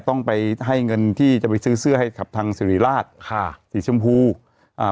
ต้องไปให้เงินที่จะไปซื้อเสื้อให้กับทางสิริราชค่ะสีชมพูอ่า